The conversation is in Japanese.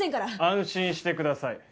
安心してください。